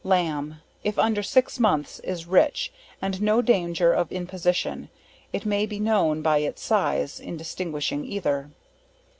Lamb, if under six months is rich, and no danger of imposition; it may be known by its size, in distinguishing either.